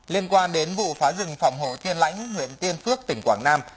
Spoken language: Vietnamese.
liên quan đến vụ phá rừng phòng hộ tiên lãnh huyện tiên phước tỉnh quảng nam